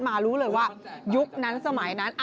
รู้เลยว่ายุคนั้นสมัยนั้น